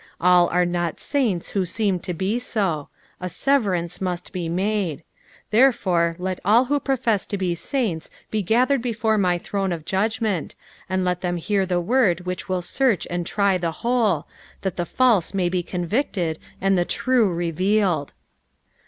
All are not saints who aeem to be so— a Eeverance must be made; therefore let ell who profess to be saints be gathered before my throne of judgment, and let them hear the word which will search and try the whole, that the false may be con victed and the true revealed.